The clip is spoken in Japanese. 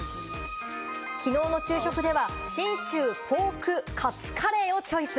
昨日の昼食では信州ポーク勝カレーをチョイス。